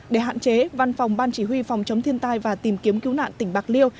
để hạn chế văn phòng ban chỉ huy phòng chống thiên tai và tìm kiếm cứu nạn tỉnh bạc liêu